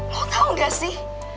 lo tau gak sih